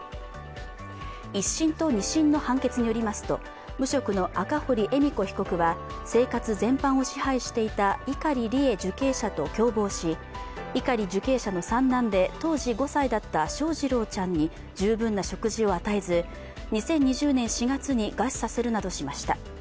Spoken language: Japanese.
１審と２審の判決によりますと無職の赤堀恵美子被告は生活全般を支配していた碇利恵受刑者と共謀し、碇受刑者の三男で、当時５歳だった翔士郎ちゃんに十分な食事を与えず２０２０年４月に餓死させるなどしました。